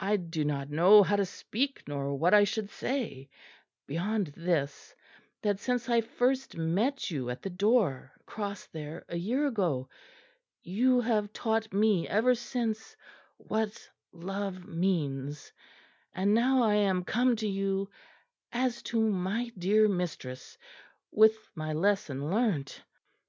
I do not know how to speak, nor what I should say; beyond this, that since I first met you at the door across there, a year ago, you have taught me ever since what love means; and now I am come to you, as to my dear mistress, with my lesson learnt."